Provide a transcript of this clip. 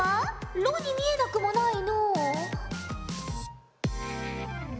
「ろ」に見えなくもないのう。